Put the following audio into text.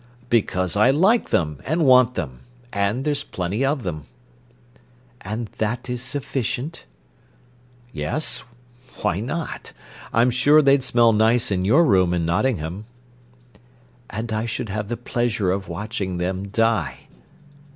"Because I like them, and want them—and there's plenty of them." "And that is sufficient?" "Yes. Why not? I'm sure they'd smell nice in your room in Nottingham." "And I should have the pleasure of watching them die."